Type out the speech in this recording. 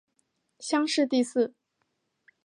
乡试第四。